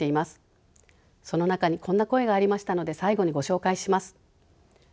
その中にこんな声がありましたので最後にご紹介します。